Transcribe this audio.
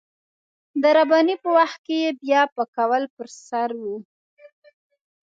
د رباني په وخت کې يې بيا پکول پر سر و.